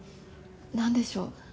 何でしょう？